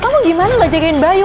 kamu gimana lah jagain bayu